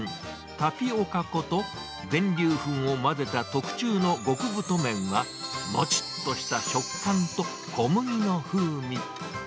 タピオカ粉と全粒粉を混ぜた特注の極太麺は、もちっとした食感と小麦の風味。